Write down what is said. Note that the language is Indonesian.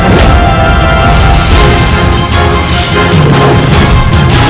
ini sudah jelas